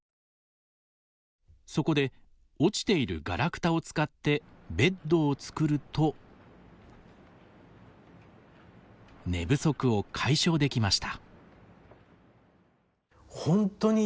そこで、落ちているがらくたを使ってベッドを作ると寝不足を解消できました。